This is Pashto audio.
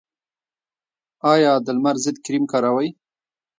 ایا د لمر ضد کریم کاروئ؟